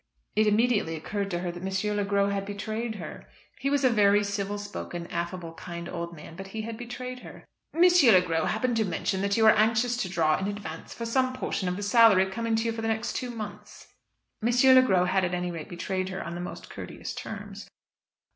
It immediately occurred to her that M. Le Gros had betrayed her. He was a very civil spoken, affable, kind old man; but he had betrayed her. "M. Le Gros happened to mention that you were anxious to draw in advance for some portion of the salary coming to you for the next two months." M. Le Gros had at any rate betrayed her in the most courteous terms.